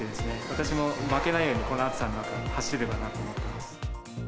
私も負けないようにこの暑さの中、走れればなと思っています。